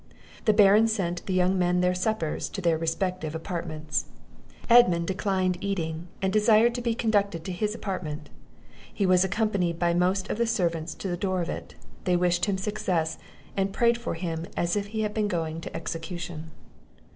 The Baron sent the young men their suppers to their respective apartments. Edmund declined eating, and desired to be conducted to his apartment. He was accompanied by most of the servants to the door of it; they wished him success, and prayed for him as if he had been going to execution.